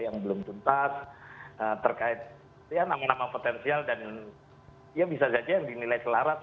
yang belum tuntas terkait nama nama potensial dan ya bisa saja yang dinilai selaras